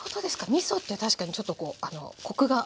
みそって確かにちょっとあのコクがあるから。